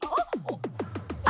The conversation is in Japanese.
あ！